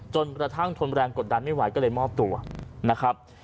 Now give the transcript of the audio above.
จนกระทั่งทนแรงกดดันไม่ไหวก็เลยมอบตัวนะครับ